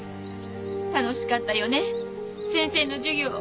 楽しかったよね先生の授業。